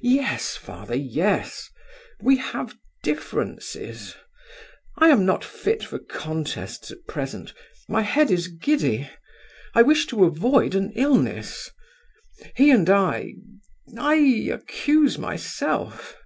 "Yes, father, yes. We have differences. I am not fit for contests at present; my head is giddy. I wish to avoid an illness. He and I ... I accuse myself."